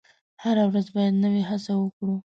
هره ورځ باید نوې هڅه وکړو.